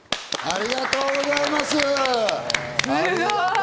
ありがとうございます。